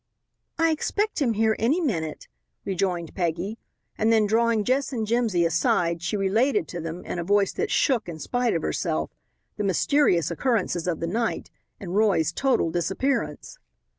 "I expect him here any minute," rejoined Peggy, and then drawing Jess and Jimsy aside she related to them, in a voice that shook in spite of herself, the mysterious occurrences of the night, and Roy's total disappearance.